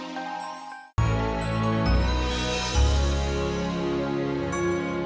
sampai jumpa lagi